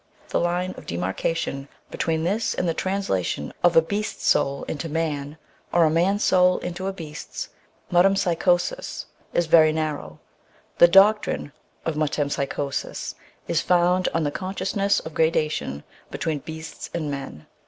The line of demarcation between this and the 154 THE BOOK OF WERE WOLVES. translation of a beast's soul into man, or a man's sonl into a beast's (metempsychosis; is very narrow. The doctrine of metempsychosis is founded on the consciousness of gradation between beasts and men.